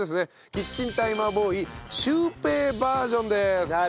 キッチンタイマーボーイシュウペイバージョンです。